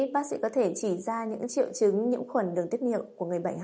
bác sĩ có thể chỉ ra những triệu chứng nhiễm khuẩn đường tiết niệm của người bệnh hả